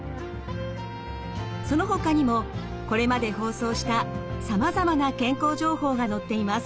そのほかにもこれまで放送したさまざまな健康情報が載っています。